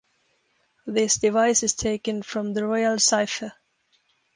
This device is taken from the Royal Cypher.